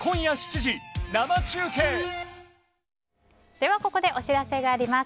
では、ここでお知らせがあります。